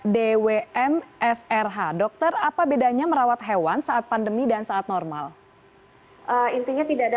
dwm srh dokter apa bedanya merawat hewan saat pandemi dan saat normal intinya tidak ada